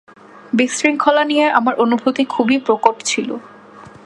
বিশৃঙখলা নিয়ে আমার অনুভূতি খুবই প্রকট ছিল।